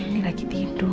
ini lagi tidur